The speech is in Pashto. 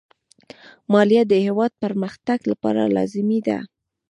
مالیه د هېواد پرمختګ لپاره لازمي ده.